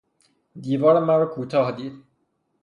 دیوار مراکوتاه دید